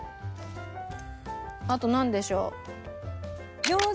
あとなんでしょう？